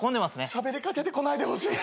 しゃべりかけてこないでほしい。